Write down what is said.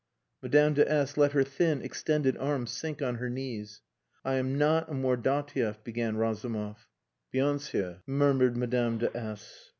Madame de S let her thin, extended arm sink on her knees. "I am not a Mordatiev," began Razumov. "Bien sur!" murmured Madame de S